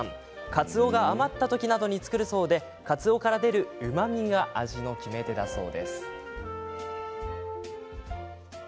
かつおが余った時などに作るそうで、かつおから出るうまみが味の決め手なんだそう。